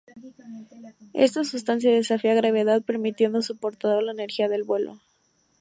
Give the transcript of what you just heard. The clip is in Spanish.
Esta sustancia desafía gravedad, permitiendo a su portador la energía del vuelo.